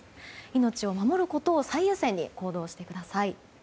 命を守ることを最優先に行動してください。